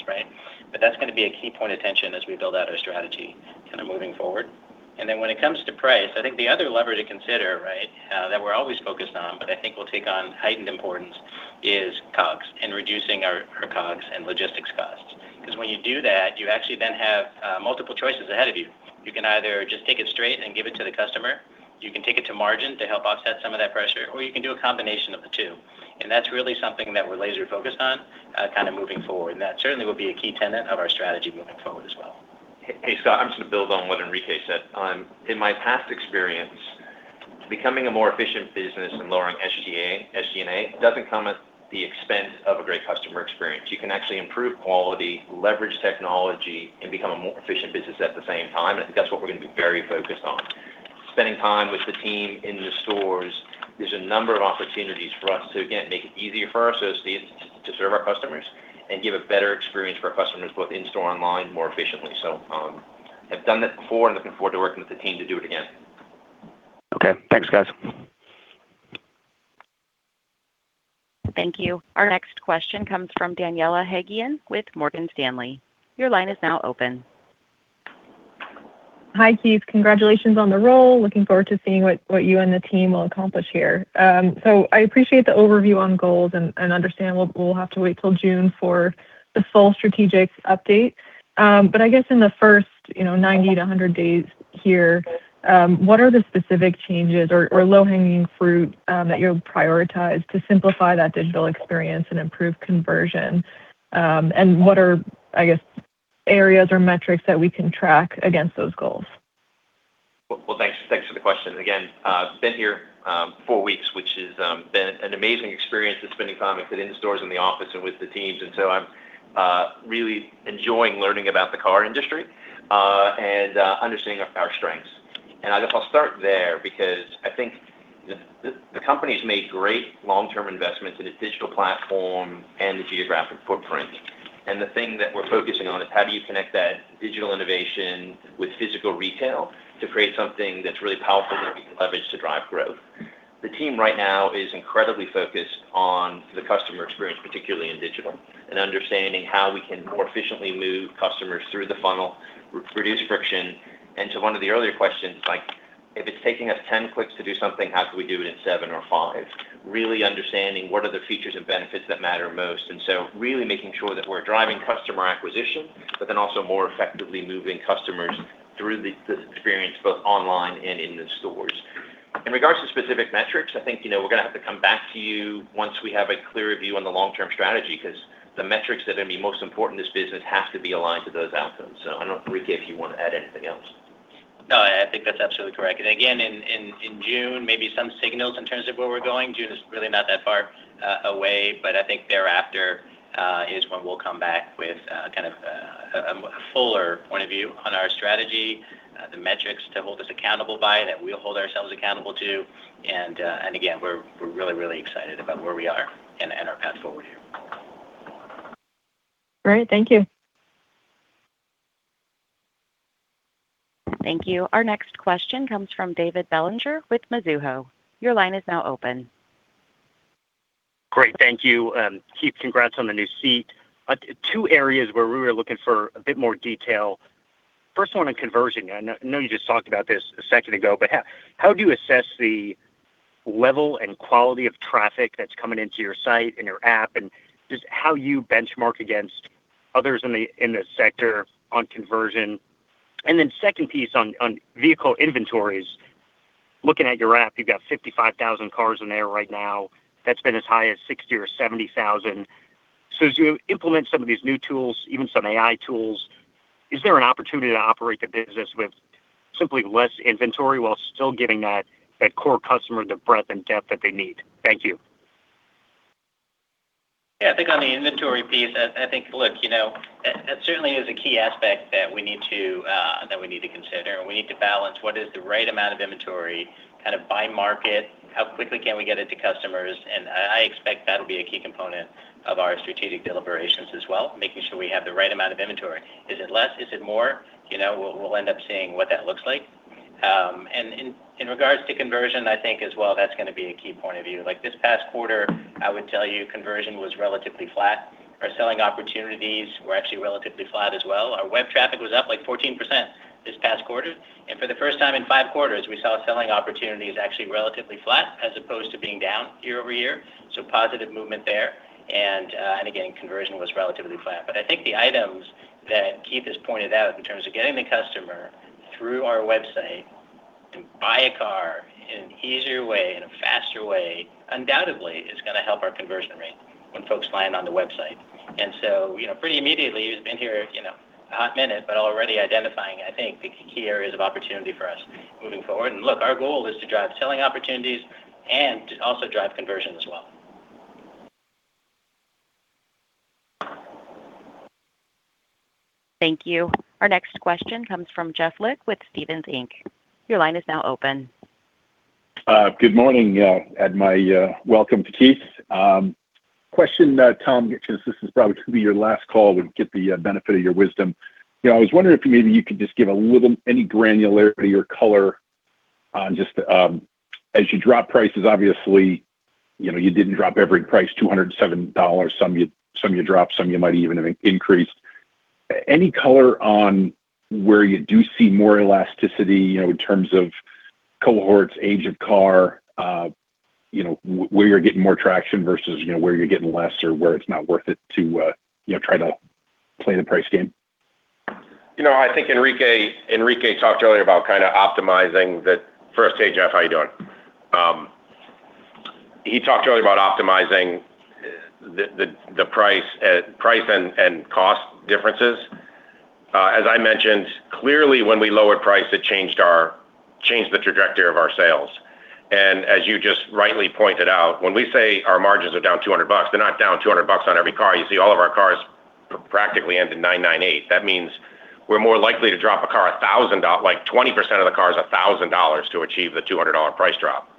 That's going to be a key point of tension as we build out our strategy kind of moving forward. When it comes to price, I think the other lever to consider that we're always focused on, but I think will take on heightened importance, is COGS and reducing our COGS and logistics costs. Because when you do that, you actually then have multiple choices ahead of you. You can either just take it straight and give it to the customer. You can take it to margin to help offset some of that pressure, or you can do a combination of the two. That's really something that we're laser-focused on kind of moving forward. That certainly will be a key tenet of our strategy moving forward as well. Hey, Scot, I'm just going to build on what Enrique said. In my past experience, becoming a more efficient business and lowering SG&A doesn't come at the expense of a great customer experience. You can actually improve quality, leverage technology, and become a more efficient business at the same time. I think that's what we're going to be very focused on. Spending time with the team in the stores, there's a number of opportunities for us to, again, make it easier for our associates to serve our customers and give a better experience for our customers, both in-store and online, more efficiently. I've done that before and looking forward to working with the team to do it again. Okay. Thanks, guys. Thank you. Our next question comes from Daniela Hagia with Morgan Stanley. Your line is now open. Hi, Keith. Congratulations on the role. Looking forward to seeing what you and the team will accomplish here. I appreciate the overview on goals and understand we'll have to wait till June for the full strategic update. I guess in the first 90-100 days here, what are the specific changes or low-hanging fruit that you'll prioritize to simplify that digital experience and improve conversion? What are, I guess, areas or metrics that we can track against those goals? Well, thanks for the question. Again, I've been here four weeks, which has been an amazing experience just spending time with it in stores, in the office, and with the teams. I'm really enjoying learning about the car industry and understanding our strengths. I guess I'll start there because I think the Company's made great long-term investments in its digital platform and the geographic footprint. The thing that we're focusing on is how do you connect that digital innovation with physical retail to create something that's really powerful that we can leverage to drive growth. The team right now is incredibly focused on the customer experience, particularly in digital, and understanding how we can more efficiently move customers through the funnel, reduce friction, and to one of the earlier questions, if it's taking us 10 clicks to do something, how can we do it in seven or five? Really understanding what are the features and benefits that matter most, and so really making sure that we're driving customer acquisition, but then also more effectively moving customers through the experience, both online and in the stores. In regards to specific metrics, I think we're going to have to come back to you once we have a clear view on the long-term strategy, because the metrics that are going to be most important to this business have to be aligned to those outcomes. I don't know, Enrique, if you want to add anything else. No, I think that's absolutely correct. Again, in June, maybe some signals in terms of where we're going. June is really not that far away, but I think thereafter is when we'll come back with a fuller point of view on our strategy, the metrics to hold us accountable by that we'll hold ourselves accountable to, and again, we're really, really excited about where we are and our path forward here. Great. Thank you. Thank you. Our next question comes from David Bellinger with Mizuho. Your line is now open. Great. Thank you. Keith, congrats on the new seat. Two areas where we were looking for a bit more detail. First one on conversion. I know you just talked about this a second ago, but how do you assess the level and quality of traffic that's coming into your site and your app, and just how you benchmark against others in the sector on conversion? Second piece on vehicle inventories. Looking at your app, you've got 55,000 cars in there right now. That's been as high as 60,000 or 70,000. As you implement some of these new tools, even some AI tools, is there an opportunity to operate the business with simply less inventory while still giving that core customer the breadth and depth that they need? Thank you. Yeah, I think on the inventory piece, look, that certainly is a key aspect that we need to consider, and we need to balance what is the right amount of inventory by market, how quickly can we get it to customers, and I expect that'll be a key component of our strategic deliberations as well, making sure we have the right amount of inventory. Is it less? Is it more? We'll end up seeing what that looks like. In regards to conversion, I think as well, that's going to be a key point of view. This past quarter, I would tell you conversion was relatively flat. Our selling opportunities were actually relatively flat as well. Our web traffic was up 14% this past quarter. For the first time in five quarters, we saw selling opportunities actually relatively flat as opposed to being down year-over-year. Positive movement there. Again, conversion was relatively flat. I think the items that Keith has pointed out in terms of getting the customer through our website to buy a car in an easier way, in a faster way, undoubtedly is going to help our conversion rate when folks land on the website. Pretty immediately, he's been here a hot minute, but already identifying, I think, the key areas of opportunity for us moving forward. Look, our goal is to drive selling opportunities and to also drive conversion as well. Thank you. Our next question comes from Jeff Lick with Stephens Inc. Your line is now open. Good morning, and my welcome to Keith. Question, Tom, because this is probably going to be your last call, we get the benefit of your wisdom. I was wondering if maybe you could just give any granularity or color on just as you drop prices. Obviously, you didn't drop every price $207. Some you dropped, some you might even have increased. Any color on where you do see more elasticity in terms of cohorts, age of car, where you're getting more traction versus where you're getting less or where it's not worth it to try to play the price game? First, hey Jeff, how you doing? He talked earlier about optimizing the price and cost differences. As I mentioned, clearly when we lowered price, it changed the trajectory of our sales. As you just rightly pointed out, when we say our margins are down $200 bucks, they're not down $200 bucks on every car. You see all of our cars practically end in 998. That means we're more likely to drop a car $1,000, like 20% of the cars $1,000 to achieve the $200 price drop.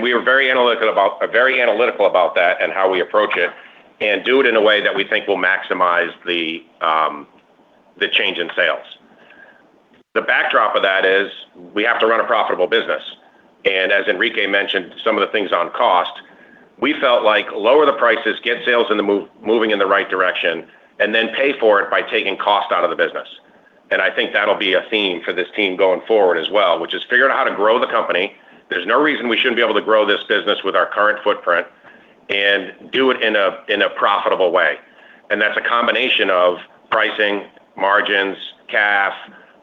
We are very analytical about that and how we approach it and do it in a way that we think will maximize the change in sales. The backdrop of that is we have to run a profitable business. As Enrique mentioned, some of the things on cost, we felt like lower the prices, get sales moving in the right direction, and then pay for it by taking cost out of the business. I think that'll be a theme for this team going forward as well, which is figuring out how to grow the company. There's no reason we shouldn't be able to grow this business with our current footprint and do it in a profitable way. That's a combination of pricing, margins, CAF,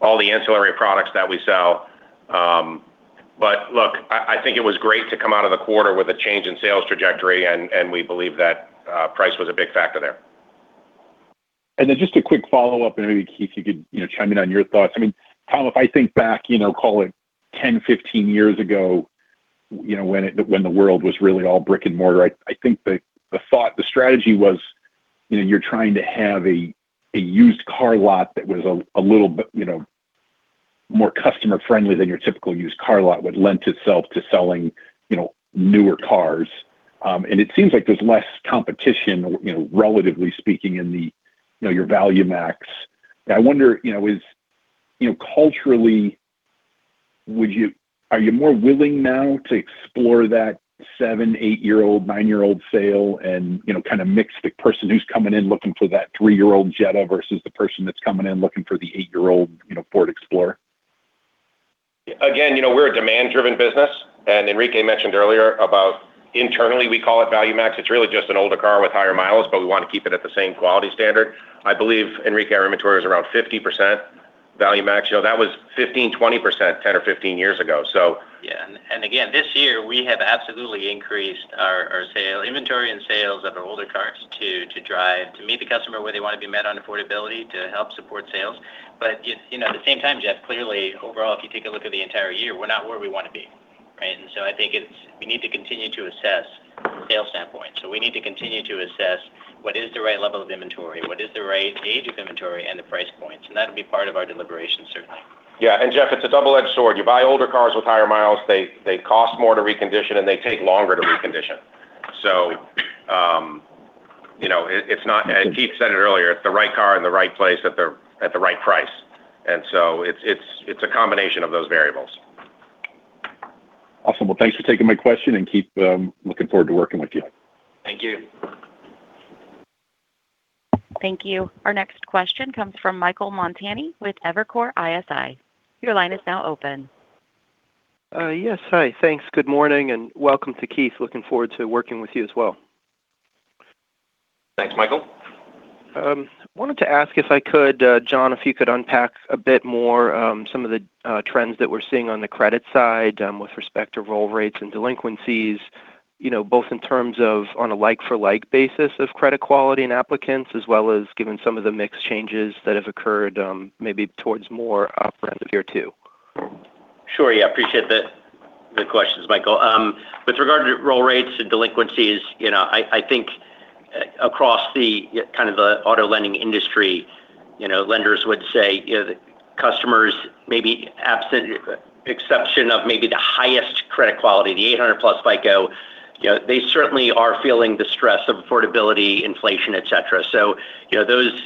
all the ancillary products that we sell. Look, I think it was great to come out of the quarter with a change in sales trajectory, and we believe that price was a big factor there. Just a quick follow-up, and maybe, Keith, you could chime in on your thoughts. Tom, if I think back call it 10, 15 years ago, when the world was really all brick and mortar, I think the strategy was you're trying to have a used car lot that was a little bit more customer friendly than your typical used car lot, would lend itself to selling newer cars. It seems like there's less competition, relatively speaking, in your ValueMax. I wonder, culturally, are you more willing now to explore that seven, eight-year-old, nine-year-old sale and, kind of mix the person who's coming in looking for that three-year-old Jetta versus the person that's coming in looking for the eight-year-old Ford Explorer? Again, we're a demand-driven business. Enrique mentioned earlier about internally we call it ValueMax. It's really just an older car with higher miles, but we want to keep it at the same quality standard. I believe, Enrique, our inventory is around 50% ValueMax. That was 15%-20%, 10 or 15 years ago. Yeah. Again, this year, we have absolutely increased our inventory and sales of our older cars to meet the customer where they want to be met on affordability to help support sales. At the same time, Jeff, clearly overall, if you take a look at the entire year, we're not where we want to be. Right? I think we need to continue to assess sales standpoint. We need to continue to assess what is the right level of inventory, what is the right age of inventory and the price points. That'll be part of our deliberation, certainly. Yeah. Jeff, it's a double-edged sword. You buy older cars with higher miles, they cost more to recondition, and they take longer to recondition. Absolutely As Keith said it earlier, it's the right car in the right place at the right price. It's a combination of those variables. Awesome. Well, thanks for taking my question. Keith, I am looking forward to working with you. Thank you. Thank you. Our next question comes from Michael Montani with Evercore ISI. Your line is now open. Yes. Hi. Thanks. Good morning, and welcome to Keith. I'm looking forward to working with you as well. Thanks, Michael. Wanted to ask if i could, Jon, if you could unpack a bit more some of the trends that we're seeing on the credit side with respect to roll rates and delinquencies both in terms of on a like-for-like basis of credit quality in applicants as well as given some of the mix changes that have occurred maybe towards more of Tier 2. Sure. Yeah. I appreciate the questions, Michael. With regard to roll rates and delinquencies, I think across the kind of the auto lending industry, lenders would say the customers, maybe absent exception of maybe the highest credit quality, the 800+ FICO, they certainly are feeling the stress of affordability, inflation, et cetera. Those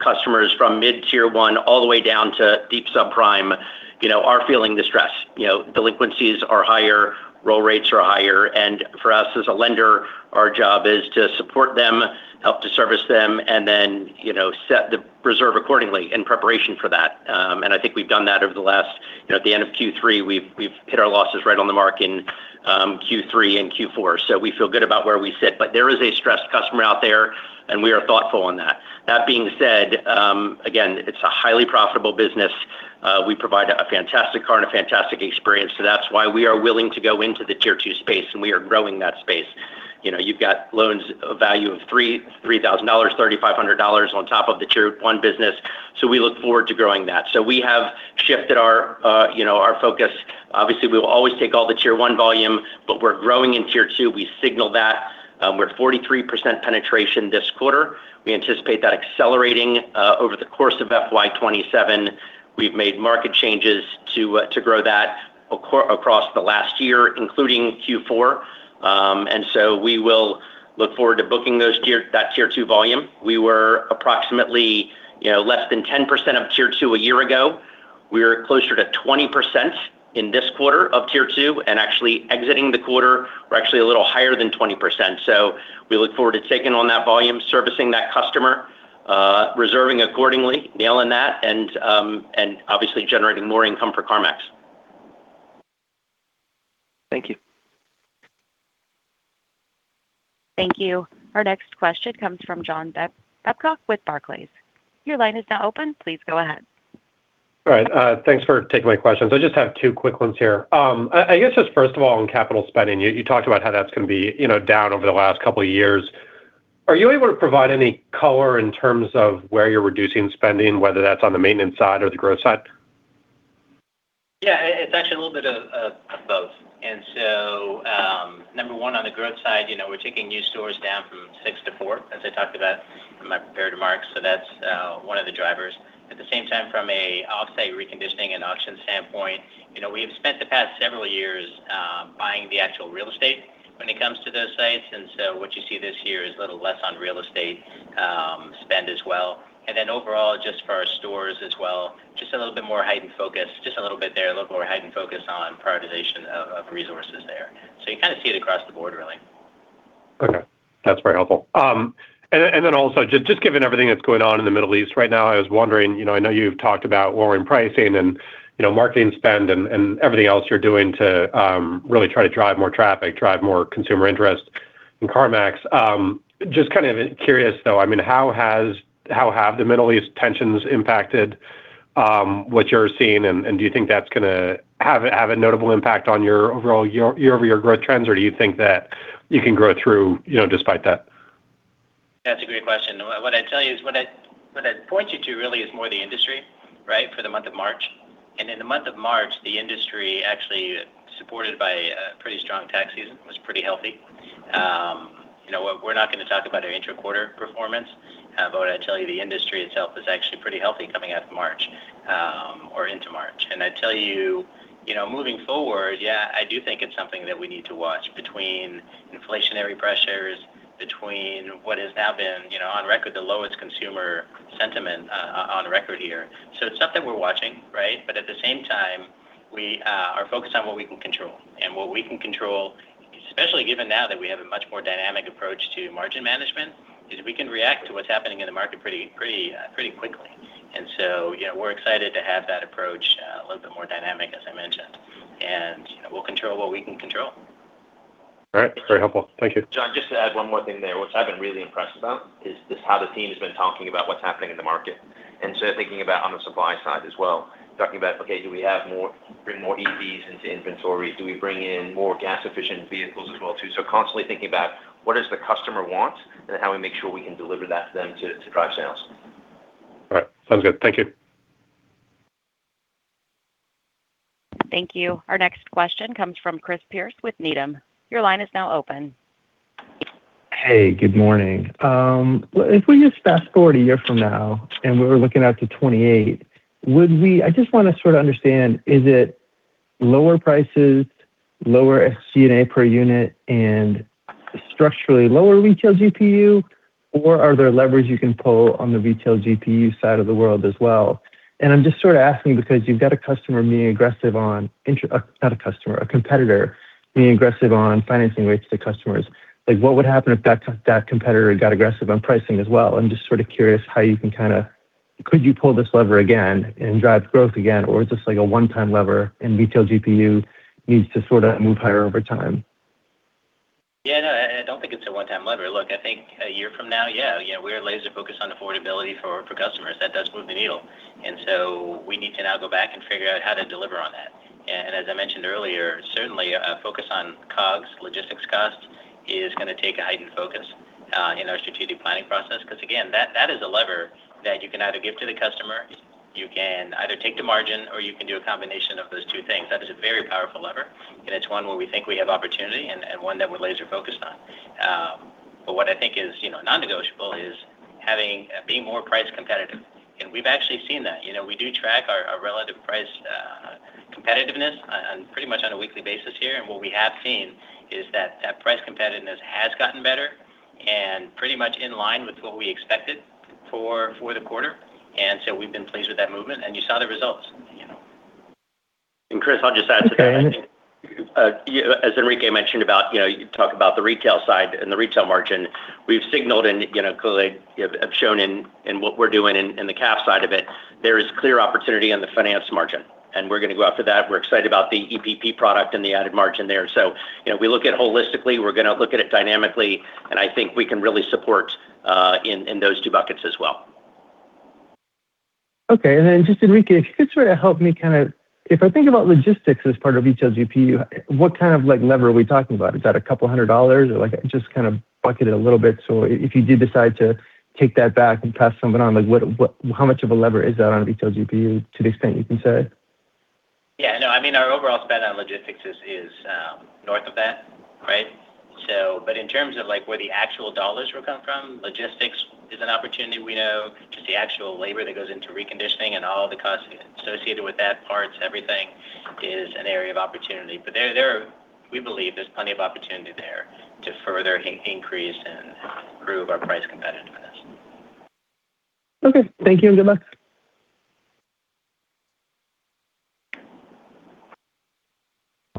customers from mid-Tier 1 all the way down to deep subprime are feeling the stress. Delinquencies are higher, roll rates are higher, and for us as a lender, our job is to support them, help to service them, and then set the reserve accordingly in preparation for that. I think we've done that. At the end of Q3, we've hit our losses right on the mark in Q3 and Q4. We feel good about where we sit, but there is a stressed customer out there, and we are thoughtful on that. That being said, again, it's a highly profitable business. We provide a fantastic car and a fantastic experience. That's why we are willing to go into the Tier 2 space, and we are growing that space. You've got loans value of $3,000, $3,500 on top of the Tier 1 business. We look forward to growing that. We have shifted our focus. Obviously, we will always take all the Tier 1 volume, but we're growing in Tier 2. We signal that. We're at 43% penetration this quarter. We anticipate that accelerating over the course of FY 2027. We've made market changes to grow that across the last year, including Q4. We will look forward to booking that Tier 2 volume. We were approximately less than 10% of Tier 2 a year ago. We are closer to 20% in this quarter of Tier 2, and actually exiting the quarter, we're actually a little higher than 20%. We look forward to taking on that volume, servicing that customer, reserving accordingly, nailing that, and obviously generating more income for CarMax. Thank you. Thank you. Our next question comes from John Babcock with Barclays. Your line is now open. Please go ahead. All right. Thanks for taking my questions. I just have two quick ones here. I guess just first of all, on capital spending, you talked about how that's going to be down over the last couple of years. Are you able to provide any color in terms of where you're reducing spending, whether that's on the maintenance side or the growth side? Yeah, it's actually a little bit of both. Number one, on the growth side, we're taking new stores down from six to four, as I talked about in my prepared remarks. That's one of the drivers. At the same time, from an off-site reconditioning and auction standpoint, we have spent the past several years buying the actual real estate when it comes to those sites. What you see this year is a little less on real estate spend as well. Overall, just for our stores as well, a little more heightened focus on prioritization of resources there. You kind of see it across the board really. Okay. That's very helpful. Also, just given everything that's going on in the Middle East right now, I was wondering, I know you've talked about lowering pricing and marketing spend and everything else you're doing to really try to drive more traffic, drive more consumer interest in CarMax. Just kind of curious, though, how have the Middle East tensions impacted what you're seeing? Do you think that's going to have a notable impact on your overall year-over-year growth trends, or do you think that you can grow through despite that? That's a great question. What I'd tell you is, what I'd point you to really is more the industry, right, for the month of March. In the month of March, the industry actually, supported by a pretty strong tax season, was pretty healthy. We're not going to talk about our inter-quarter performance, but what I'd tell you, the industry itself is actually pretty healthy coming out of March, or into March. I'd tell you, moving forward, yeah, I do think it's something that we need to watch between inflationary pressures, between what has now been on record, the lowest consumer sentiment on record here. It's something we're watching, right? At the same time, we are focused on what we can control. What we can control, especially given now that we have a much more dynamic approach to margin management, is we can react to what's happening in the market pretty quickly. We're excited to have that approach a little bit more dynamic, as I mentioned, and we'll control what we can control. All right. Very helpful. Thank you. John, just to add one more thing there, what I've been really impressed about is just how the team has been talking about what's happening in the market. Thinking about on the supply side as well, talking about, okay, do we bring more EVs into inventory? Do we bring in more gas efficient vehicles as well too? Constantly thinking about what does the customer want and how we make sure we can deliver that to them to drive sales. All right. Sounds good. Thank you. Thank you. Our next question comes from Chris Pierce with Needham. Your line is now open. Hey, good morning. If we just fast forward a year from now and we're looking out to 2028, I just want to sort of understand, is it lower prices, lower SG&A per unit, and structurally lower retail GPU? Are there levers you can pull on the retail GPU side of the world as well? I'm just sort of asking because you've got a competitor being aggressive on financing rates to customers. What would happen if that competitor got aggressive on pricing as well? I'm just sort of curious, could you pull this lever again and drive growth again? Is this like a one-time lever and retail GPU needs to sort of move higher over time? Yeah, no, I don't think it's a one-time lever. Look, I think a year from now, yeah, we're laser-focused on affordability for customers. That does move the needle. We need to now go back and figure out how to deliver on that. As I mentioned earlier, certainly a focus on COGS, logistics costs is going to take a heightened focus in our strategic planning process. Because again, that is a lever that you can either give to the customer, you can either take the margin, or you can do a combination of those two things. That is a very powerful lever, and it's one where we think we have opportunity and one that we're laser-focused on. What I think is non-negotiable is being more price competitive. We've actually seen that. We do track our relative price competitiveness on pretty much a weekly basis here. What we have seen is that that price competitiveness has gotten better and pretty much in line with what we expected for the quarter. We've been pleased with that movement, and you saw the results. Chris, I'll just add to that. Okay. As Enrique mentioned about, you talk about the retail side and the retail margin. We've signaled and clearly have shown in what we're doing in the CAF side of it, there is clear opportunity on the finance margin, and we're going to go after that. We're excited about the EPP product and the added margin there. We look at it holistically, we're going to look at it dynamically, and I think we can really support in those two buckets as well. Okay. Just Enrique, if you could sort of help me kind of, if I think about logistics as part of retail GPU, what kind of lever are we talking about? Is that a couple hundred dollars or just kind of bucket it a little bit, so if you did decide to take that back and pass something on, how much of a lever is that on retail GPU to the extent you can say? Yeah, no, I mean, our overall spend on logistics is north of that, right? In terms of where the actual dollars will come from, logistics is an opportunity we know. Just the actual labor that goes into reconditioning and all the costs associated with that, parts, everything is an area of opportunity. We believe there's plenty of opportunity there to further increase and improve our price competitiveness. Thank you, and good luck.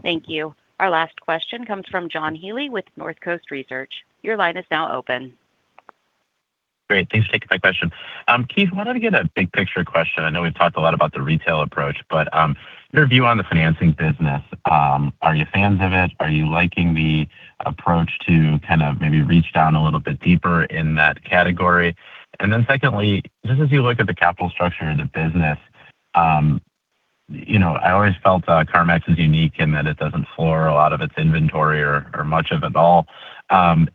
Thank you. Our last question comes from John Healy with Northcoast Research. Your line is now open. Great. Thanks for taking my question. Keith, why don't I give a big-picture question? I know we've talked a lot about the retail approach, but your view on the financing business, are you fans of it? Are you liking the approach to kind of maybe reach down a little bit deeper in that category? Secondly, just as you look at the capital structure of the business, I always felt CarMax is unique in that it doesn't floor a lot of its inventory or much of it at all.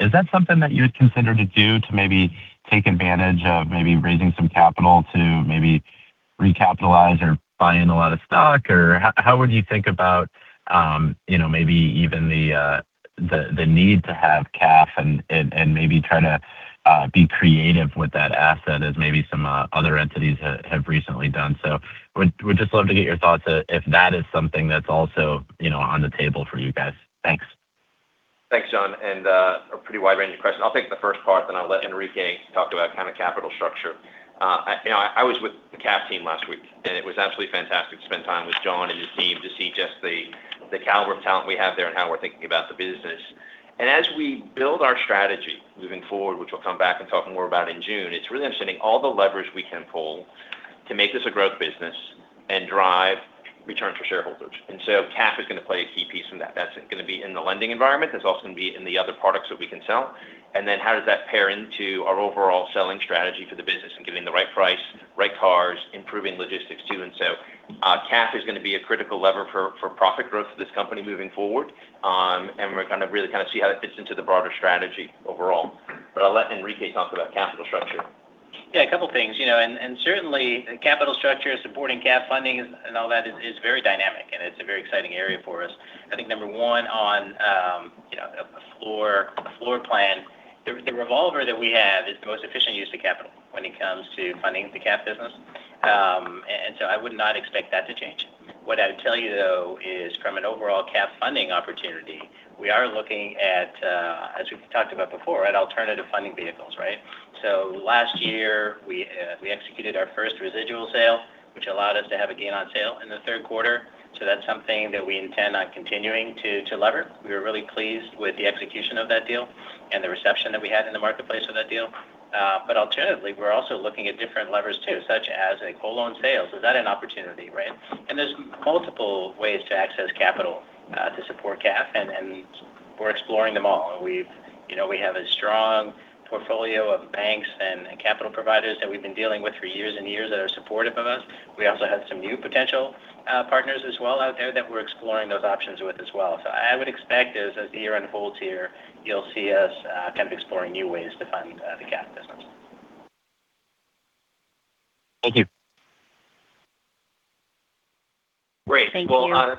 Is that something that you would consider to do to maybe take advantage of maybe raising some capital to maybe recapitalize or buy in a lot of stock? How would you think about maybe even the need to have CAF and maybe try to be creative with that asset as maybe some other entities have recently done? I would just love to get your thoughts if that is something that's also on the table for you guys. Thanks. Thanks, John. A pretty wide-ranging question. I'll take the first part, then I'll let Enrique talk about kind of capital structure. I was with the CAF team last week, and it was absolutely fantastic to spend time with Jon and his team to see just the caliber of talent we have there and how we're thinking about the business. As we build our strategy moving forward, which we'll come back and talk more about in June, it's really understanding all the leverage we can pull to make this a growth business and drive returns for shareholders. CAF is going to play a key piece in that. That's going to be in the lending environment. That's also going to be in the other products that we can sell. How does that pair into our overall selling strategy for the business and giving the right price, right cars, improving logistics too? CAF is going to be a critical lever for profit growth for this company moving forward. We're going to really kind of see how it fits into the broader strategy overall. I'll let Enrique talk about capital structure. Yeah, a couple things. Certainly capital structure, supporting CAF funding and all that is very dynamic, and it's a very exciting area for us. I think number one on a floor plan, the revolver that we have is the most efficient use of capital when it comes to funding the CAF business. I would not expect that to change. What I would tell you, though, is from an overall CAF funding opportunity, we are looking at, as we've talked about before, right, alternative funding vehicles, right? Last year, we executed our first residual sale, which allowed us to have a gain on sale in the third quarter. That's something that we intend on continuing to lever. We were really pleased with the execution of that deal and the reception that we had in the marketplace for that deal. Alternatively, we're also looking at different levers too, such as a co-loan sales. Is that an opportunity, right? There's multiple ways to access capital to support CAF, and we're exploring them all. We have a strong portfolio of banks and capital providers that we've been dealing with for years and years that are supportive of us. We also have some new potential partners as well out there that we're exploring those options with as well. I would expect as the year unfolds here, you'll see us kind of exploring new ways to fund the CAF business. Thank you. Great. Thank you. Well,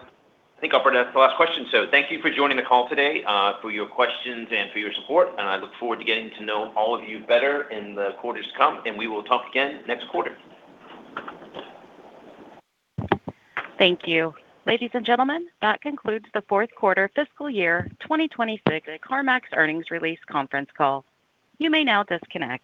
I think I'll bring that to the last question. Thank you for joining the call today, for your questions and for your support, and I look forward to getting to know all of you better in the quarters to come, and we will talk again next quarter. Thank you. Ladies and gentlemen, that concludes the fourth quarter fiscal year 2026 CarMax earnings release conference call. You may now disconnect.